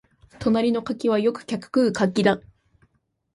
隣の柿はよく客食う柿だ